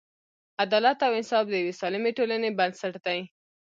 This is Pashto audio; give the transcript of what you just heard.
عدالت او انصاف د یوې سالمې ټولنې بنسټ دی.